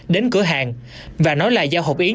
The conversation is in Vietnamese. đến cửa hàng và nói là giao hộp yến